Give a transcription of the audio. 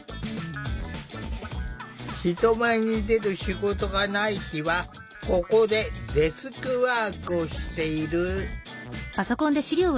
人前に出る仕事がない日はここでデスクワークをしている。